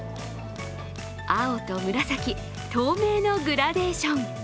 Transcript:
青と紫、透明のグラデーション。